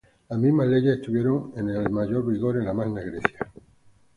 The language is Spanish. Las mismas leyes estuvieron en el mayor vigor en la Magna Grecia.